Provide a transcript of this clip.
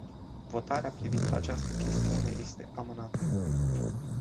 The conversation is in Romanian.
Votarea privind această chestiune este amânată.